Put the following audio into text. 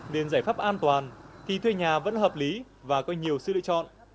nên giải pháp an toàn thì thuê nhà vẫn hợp lý và có nhiều sự lựa chọn